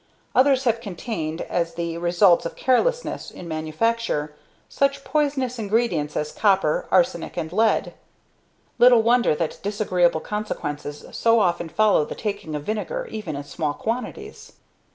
Others have contained, as the results of carelessness in manufacture, such poisonous ingredients as copper, arsenic, and lead. Little wonder that disagreeable consequences so often follow the taking of vinegar, even in small quantities!